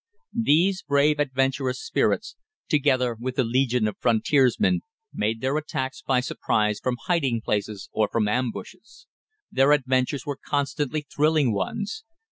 These brave adventurous spirits, together with "The Legion of Frontiersmen," made their attacks by surprise from hiding places or from ambushes. Their adventures were constantly thrilling ones.